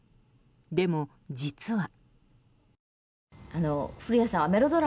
でも、実は。